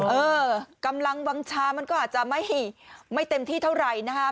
เออกำลังวางชามันก็อาจจะไม่เต็มที่เท่าไหร่นะคะ